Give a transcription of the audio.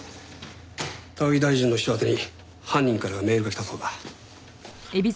高木大臣の秘書宛てに犯人からメールが来たそうだ。